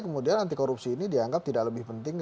kemudian anti korupsi ini dianggap tidak lebih penting